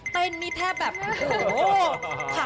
เต้นมีแทบแบบโอ้โห